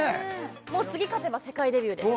もう次勝てば世界デビューです